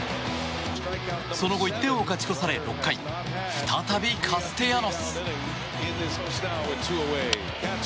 その後、１点を勝ち越され６回、再びカステヤノス。